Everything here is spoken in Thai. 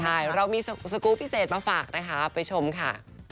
ใช่เรามีสกูลพิเศษมาฝากนะคะไปชมค่ะ